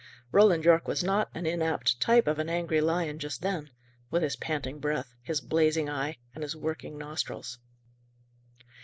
Roland Yorke was not an inapt type of an angry lion just then, with his panting breath, his blazing eye, and his working nostrils.